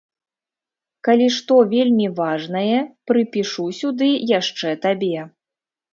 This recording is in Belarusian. Калі што вельмі важнае, прыпішу сюды яшчэ табе.